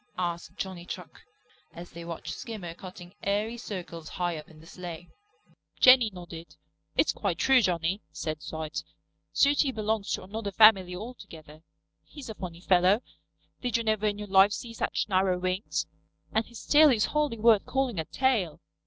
asked Johnny Chuck, as they watched Skimmer cutting airy circles high up in the slay. Jenny nodded. "It's quite true, Johnny," said site. "Sooty belongs to another family altogether. He's a funny fellow. Did you ever in your life see such narrow wings? And his tail is hardly worth calling a tail."